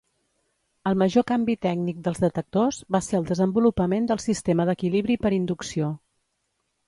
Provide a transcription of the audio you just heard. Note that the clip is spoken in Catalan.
El major canvi tècnic dels detectors va ser el desenvolupament del sistema d'equilibri per inducció.